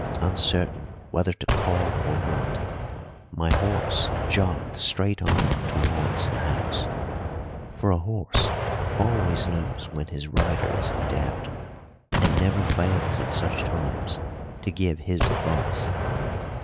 Uncertain whether to call or not, my horse jogged straight on towards the house, for a horse always knows when his rider is in doubt and never fails at such times to give his advice.